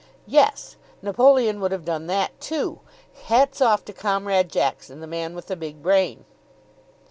"Yes, Napoleon would have done that, too. Hats off to Comrade Jackson, the man with the big brain!"